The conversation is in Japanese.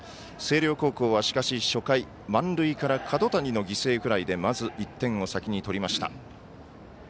星稜高校はしかし初回、満塁から角谷の犠牲フライでまず１点を先にとりました。